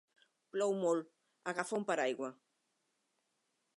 Plou molt, agafa un paraigua.